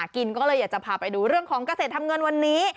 กินก็เลยอยากจะพาไปดูเรื่องของเกษตรทำเงินวันนี้